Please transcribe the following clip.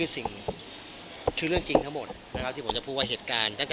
นี่คือเรื่องจริงทั้งหมดที่ผมจะพูดว่าเหตุการณ์